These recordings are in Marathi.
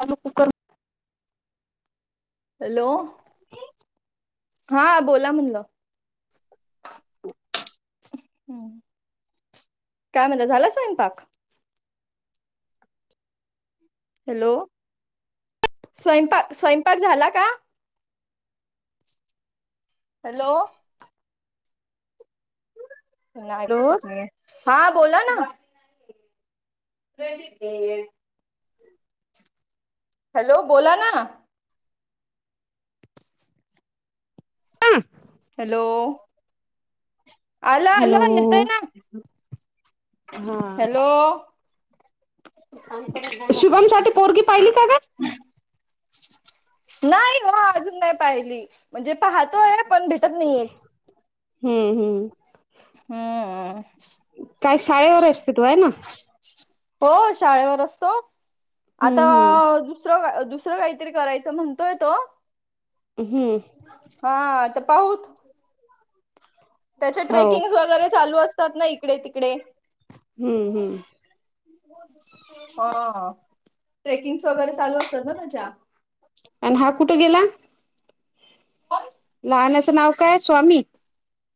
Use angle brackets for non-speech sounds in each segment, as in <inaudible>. हॅलो! Cooker hello! हा बोला म्हणलं हं, काय म्हणता झाला स्वयंपाक? हॅलो! स्वयंपा स्वयंपाक झाला का? हॅलो! नाही पुसत नाहीये हा बोला ना. Teddy bear. हॅलो बोला ना. हं. हॅलो. आल आल हॅलो नेताय ना. हा हॅलो. शुभम साठी पोरगी पाहिली का ग. नाही ओ अजून नाही पाहिली म्हणजे पाहतोय. पण भेटत नाही. हम्म हम्म हम्म काय शाळेवर असते तू आहे ना. हो शाळेवर असतो आता हम्म हम्म दुस दुस दुसरं काहीतरी करायच म्हणतोय तो. हम्म. हा त पाहुत. त्याचे हो ट्रेकिंग्स वगैरे चालू असतात ना इकडे तिकडे. हम्म हम्म. <unintelligible> ह ह ट्रेकिंग्स वगैरे चालू असतात ना त्याच्या. आणि हा कुठं गेला? कोण? लहान्याचं नाव काय स्वामि.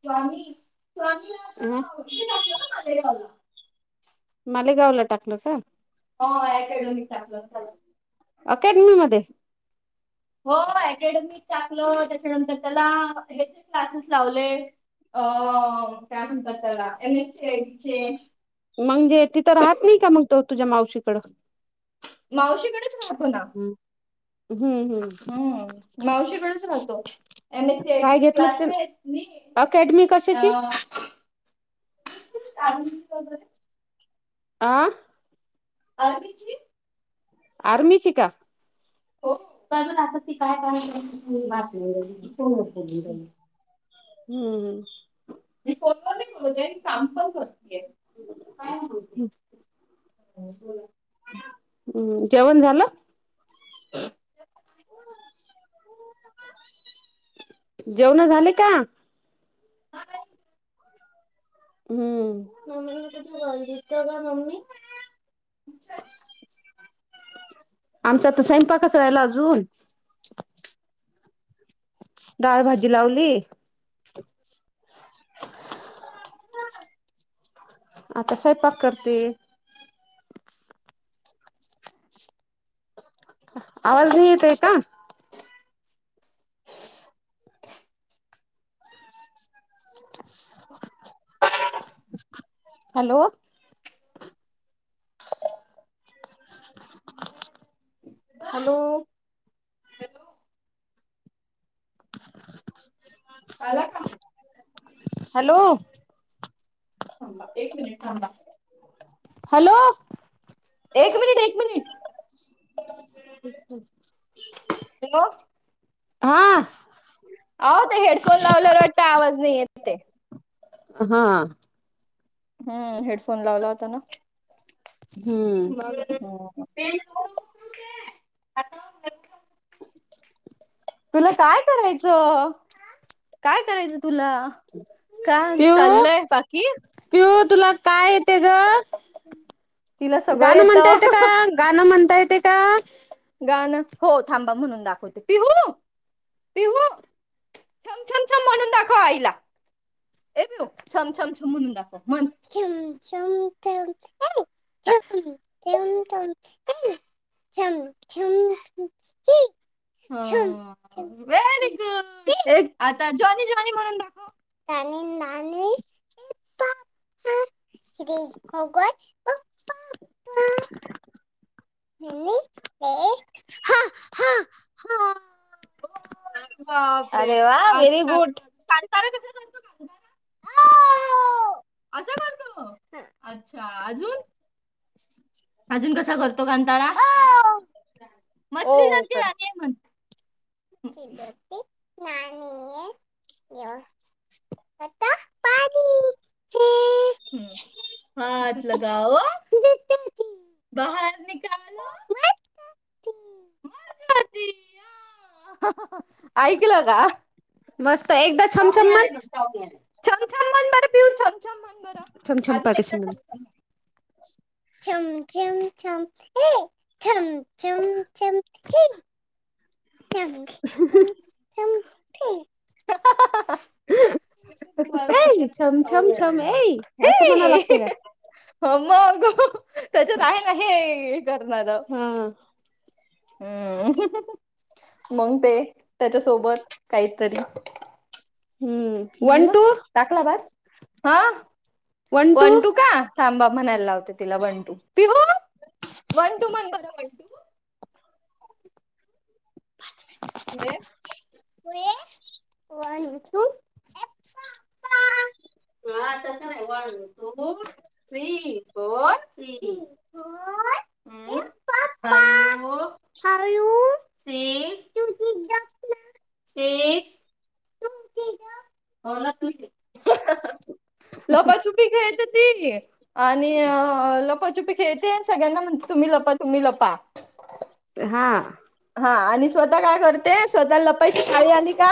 स्वामी स्वामी अ इथं इथे राहतो ना मलेगावला. मालेगावला टाकलं का? हो आय हायड्रोलिक टाकलं. त्याला. अकॅडमी मध्ये. हो अकॅडमिक टाकलं, त्याच्यानंतर त्याला हेचे क्लासेस लावले. अ काय म्हणतात त्याला M S C I T चे म्हणजे तिथं राहत नाही का मग तो तुझ्या मावशीकडं. मावशीकडेच राहतो ना. हम्म हम्म हम्म. हम्म मावशीकडेच राहतो. एम एस सी आय काय टी घेतलं ते क्लासेस अकॅडमी कशाची अं <unintelligible> आं. आ तीची. आर्मीची का. हो, अजून आता काय काम करते माहित नाही फोन उचलली बाई. हम्म. मी फोन मध्ये बोलते काम पण करतेय, काय बोलते. काय बोला. हम जेवण झालं? जेवण झालि का? हम्म, <unintelligible> ममी <unintelligible> आमचा तर स्वयंपाकच राहिला अजून. डाळ, भाजी लावली. <inaudible> आता स्वंयपाक करते. आवाज नाही येत आहे का? हॅलो. हॅलो. हॅलो. <inaudible> आला का? हॅलो. थांबा एक मिनिट थांबा, हॅलो एक मिनिट, एक मिनिट. अच् <inaudible> हॅलो. हा आ. अहो ते हेडफोन लावलेला वाटत आवाज नाही येत. ते हा. हम्म, हेडफोन लावला होता ना. हम्म. हो ते <inaudible> <inaudible> तुला काय करायचं? काय करायचं तुला? काय पिऊ, चाललंय बाकी पिऊ तुला काय येते ग? तिला सगळं गाणं म्हणता येतं येते का? गाणं म्हणता येते का? गाणं हो थांबा म्हणून दाखवते पिहू, पिहू छम, छम, छम म्हणून दाखव आईला. ये पिलू छम, छम, छम दाखव छम, छम, छम छम, छम, छम, हे छम छम, हे छम, छम हं व्हेरीगुड. एक आता जॉनी, जॉनी म्हणून दाखव Johnny, Johnny yes papa little sugar no <inaudible> हा हा ह. बापरे अरे वा व्हेरी अजून गुड कांतारा कसा करतो तारा <inaudible> <inaudible> असं करतो अच्छा अजून अजून कसा करतो कांतारा? मछली ओ जल की कर रानी आहे म्हण. मच्छली जल की राणी है जिवण उसका पाणी है हम्म, हात लगाओ बाहर निकालो हा <inaudible> की माजया <inaudible> ऐकलं का? मस्त एकदा छमछम पाहुणे आले म्हण ना. छम, छम म्हंन बर पिऊ छम, छम म्हण बर छमछम अजून एकदा पाकशी म्हण छम, छम छम छम छम ये छम छम छम ये झालं अहहह एई छम छम छम येई असं म्हणायला लागते का हो मग त्याच्यात आहे ना हे करणार हा हम् मग ते त्याच्यासोबत काही तरी हम्म झाल वन टू टाकला भात हा वंन टू का थाबा म्हणायला लावते तिला one two Pihu one two म्हण बर बई पाच मिनट पुढे पुढे वन टू <unintelligible> हा तसं नाही one, two, three, four, three five <unintelligible> six <unintelligible> लपाछपी खेळत ती. आणि लपाचुपी खेळते सगळ्यांना म्हणते तुम्ही लपा तुम्ही लपा. हा हा आणि स्वतः काय करते स्वतः लपायची पाळी आली का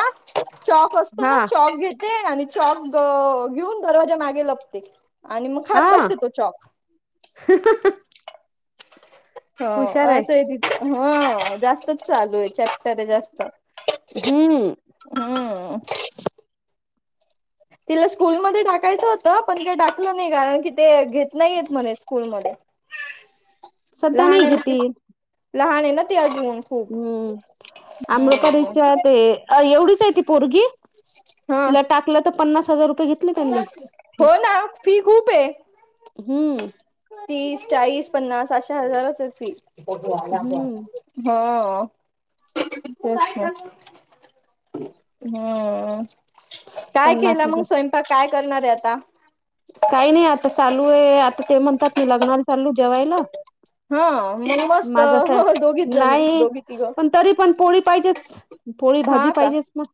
चॉक असतो हा ना चॉक घेते आणि चॉक घेऊन दरवाजा मागे लपते. आणि मग खात बसते तो चॉक अहहह हो असं आहे ति हो जास्तच चालू आहे. खर जास्त हम्म हम्म तिला स्कूलमध्ये टाकायचं होतं पण ते टाकलं नाही कारण की ते घेत नाही येत म्हणे स्कूल मध्ये सध्या लहान नाही आहे ना ते घेतील लहाण आहे ना ती अजून खूप हम्म हम्म आम्रपारीच्या ते अ एवढीच आहे ती पोरगी हा तिला टाकलं तर पन्नास हजार रुपये घेतले त्यांनी हो ना फी खूप हे. हम्म तीस, चाळीस, पन्नास अशे हजाराच फी हो हम्म हम काय पन्नास केला मग हजार स्वयंपाक काय करणार हे आता काही नाही आता चालू हे आता ते म्हणतात मी लग्नाला चालू जेवायला. हा मग मस्त माझं असं दोघीच जणी नाही दोघी तिघं पण तरी पण पोळी पाहिजेच पोळी भाजी हा का पाहिजेच मग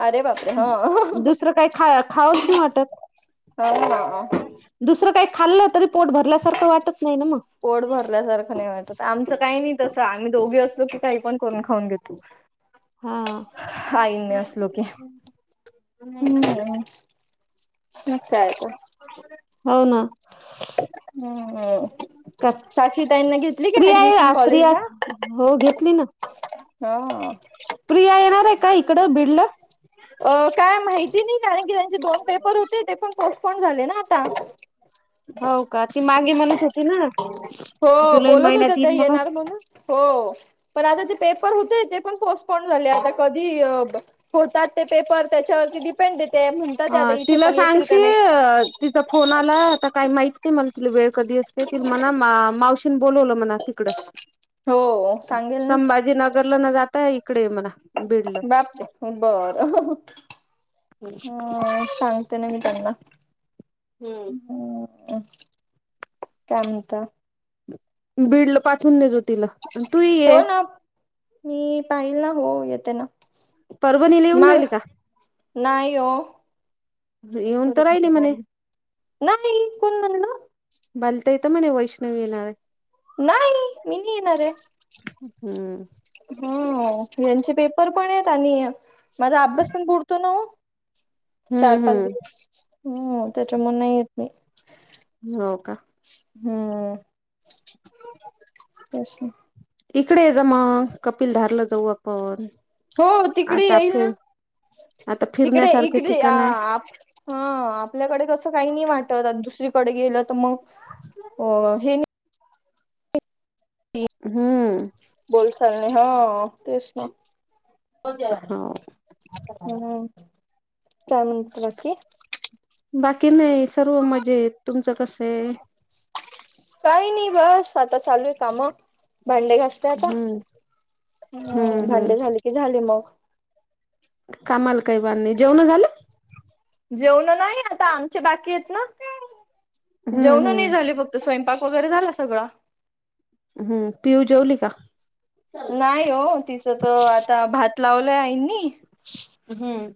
अरे बापरे! हं. दुसरं काही खावा खावच नाही वाटत. हो ना दुसरं काही खाल्लं तरी पोट भरल्यासारखं वाटत नाही ना मग पोट भरल्यासारखं नाही वाटतं आमचं काही नाही तसं आम्ही दोघी असलो की काही पण करून खाऊन घेतो. <unintelligible> हाइ असलोके हम् मग काय. हो ना. हम्म का साक्षी तईंना घेतली काय प्रिया ऍडमिशन आहे कॉलेज प्रिया ला. हो घेतली ना प्रिया येणार आहे का इकड बिडल? अ काय माहिती नाही कारण की त्यांचे दोन पेपर होते ते पण पोस्टपोन झाले ना आता. हो का ती मागे म्हणस होती ना हो जुलै बोलत महिन्या होत्या त्या तीन म्हणून. येणार हो पण आता ते पेपर होते ते पण पोस्टपोन झाले आता कधी. होतात ते पेपर त्याच्यावरती डिपेंडेत है. ह तिला सांगश तिचा फोन आला आता काही माहित नाही मला तिला वेळ कधी असते त. मला मा मावशी बोलवलं मला तिकडं. हो सांगेल ना. ना जातय इकडे मला. बापर बरं. ह सांगते ना मी त्यांना. ह कामत. बीड ला पाचवून देतो तिला. तू हो ये ना मी पाहिल ना हो येते ना. परभणीला येऊन राहिली का. नाहीयो. येऊन ब तर राहिली म्हणे नाही कोण म्हणण. बलता येत म्हणे वैष्णव येणार. नाही मीनी येणार आहे. हम्म हम यांचे पेपर पण आहेत आणि माझा अभ्यास पण पुरतो न. चार हम्म पाच हम्म दिवस हम् त्याच्यामु नाही येत मी. हो का. हम्मस. इकडे आहे जा मग कपिलधारला जाऊ आपण. हो तिकडे आता येईल ना फिर आता तिकडे फिरण्यासारखे इकडे अ ठिकाण आहे हा आपल्याकडे कसं काही नाही वाटत दुसरीकडे गेलं तर मग हे. हम्म. बोल चालणे हा तेच ना. हो हम् काय म्हण बाकी बाकी नाही सर्व मजा येत तुमचं कसं आहे. काही नाही बस आता चालू आहे काम भांडे घास चाचा हम्म हम्म हम्म हम्म भांडी झाली की झाल मग. कामाला काही बाण नाही जेवण झाली. जेवण नाही आता आमचे बाकी आहेत ना. हम्म जेवण हम्म नाही झाले फक्त स्वयंपाक वगैरे झाला सगळा. हम्म पियू जेवली का. नाही वो तिचं तो आता भात लावलाय आईनी. हम्म.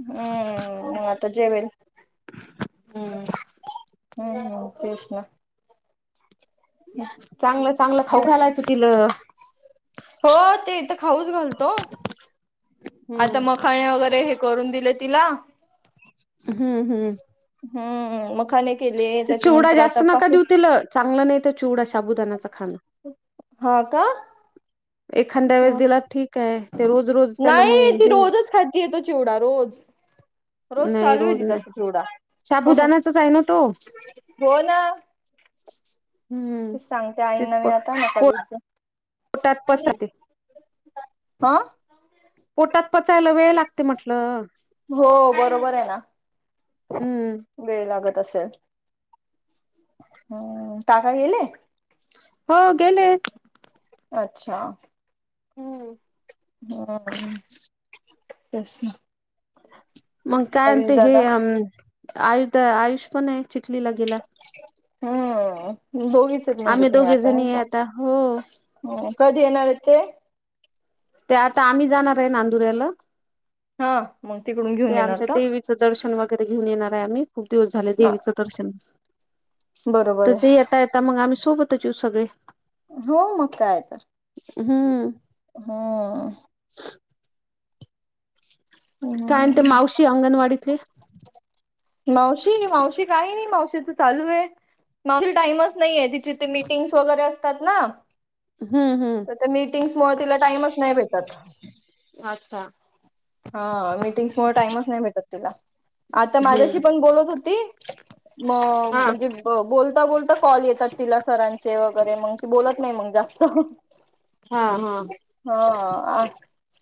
हम्म म आता जेवेल. हम्म हम्म प्रश ना. चांगलं चांगलं खाऊ घालायचं तिलं. हो ते इथं खाऊच घालतो. <unintelligible> आता मखाने वगैरे हे करून दिले तिला. हम्म हम्म. हम्म मखाने केले ते चिवडा त्याच्यानंतर आता जास्त नका पाहू. देऊ तिला चांगलं नाही ते चिवडा, शाबुदानाच खाणा. हा का? एखांद्या वेळेस दिला ठीक आहे, ते रोज-रोज नाही ती रोजच खातीये तो चिवडा रोज. रोज नाही चालू आहे तिचा नाही तो चिवडा, साबुदानाचाच आहे ना तो हो ना. हम्म तेच सांगते ते आईंना मी आता नका पोटात देऊ तो. पचते <unintelligible> आ? पोटात पचायला वेळ लागते म्हटलं. हो बरोबर आहे ना, हम्म वेळ लागत असल. हम्म काका गेले? हो गेले. अच्छा! हम्म. घरात आहे, तेच ना. मग काय आणी आयुष ते हे दादा अं आयुध, आयुष पण आहे चिखलीला गेला. हम्म लोक <unintelligible> आम्ही आता नाही दोघे जणी का? आता हो हा, तो येणार होतो. ते आता आम्ही जाणार आहे नांदुल्याला. हा. मग तिकडून ते घेऊन येणार आमच्या का देवीचं दर्शन वगैरे घेऊन येणार आहे आम्ही. खूप दिवस झाले हा देवीच दर्शन. बरोबर तिथं आहे ये ता, येताना मग आम्ही सोबतच येऊ सगळे. हो मग काय आता. हम्म. हा. काय म्हणते हम्म मावशी अंगणवाडीतली? मावशी, मावशी काही नाही मावशीच चालू आहे. मावशीला टाइमच नाहीये तिची ती मीटिंग्स वगैरे असतात ना. हम्म हम्म. तर त्या मीटिंग्समुळे तिला टाइमच नाही भेटत. अच्छा! हा मीटिंग्समुळे टाइमच नाही भेटत तिला. आता हम्म माझ्याशी पण बोलत होती. म हा म्हणजे ब, बोलता-बोलता कॉल येतात तिला सरांचे वगैरे मग बोलत नाही मग जास्त. हा हा. हा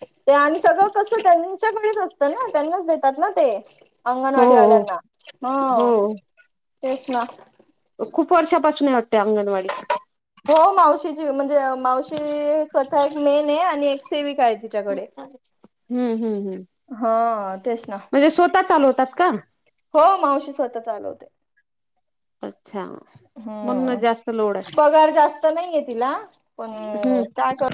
ते आणि सगळं कसं त्यांच्याकडेच असत ना त्यांनाच देतात ना ते हो अंगणवाडी वाल्यांना, ह. हो तेच ना. खूप वर्षापासून आहेते अंगणवाडीत. हो मावशीची, म्हणजे मावशी स्वतः एक मेन ये आणि एक सेविका ये, ती. तिच्याकडे, हम्म हम्म हम्म हं तेच ना. म्हणजे स्वतः चालवतात का? हो मावशी, स्वतः चालवते. अच्छा. म्हणून हम्म, जास्त लोड आहे पगार जास्त नहीये तिला, पण हम्म काय कर